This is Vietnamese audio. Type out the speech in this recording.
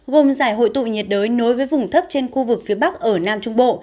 gồm giải hội tụ nhiệt đới nối với vùng thấp trên khu vực phía bắc ở nam trung bộ